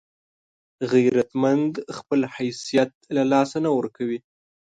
غیرتمند خپل حیثیت له لاسه نه ورکوي